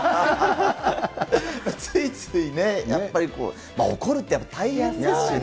ついついね、やっぱり怒るってやっぱり大変ですよね。